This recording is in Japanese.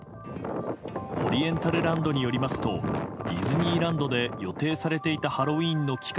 オリエンタルランドによりますとディズニーランドで予定されていたハロウィーンの期間